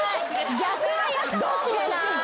逆は嫌かもしれない。